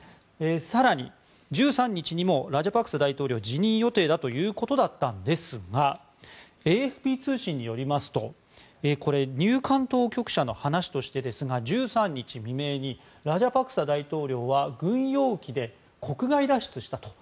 更に１３日にもラジャパクサ大統領辞任予定だということだったんですがＡＦＰ通信によりますと入管当局者の話として１３日未明にラジャパクサ大統領は軍用機で国外脱出したと。